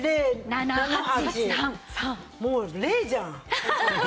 もう０じゃん！